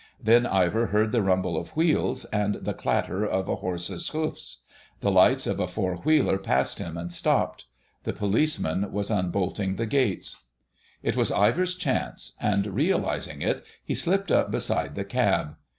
Then Ivor heard the rumble of wheels and the clatter of a horse's hoofs: the lights of a four wheeler passed him and stopped. The policeman was unbolting the gates. It was Ivor's chance, and, realising it, he slipped up beside the cab.